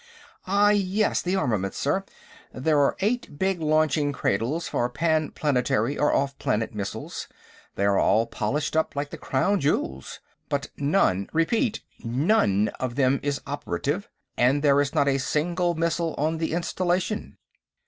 "Ah, yes; the armament, sir. There are eight big launching cradles for panplanetary or off planet missiles. They are all polished up like the Crown Jewels. But none, repeat none, of them is operative. And there is not a single missile on the installation."